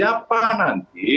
nah siapa nanti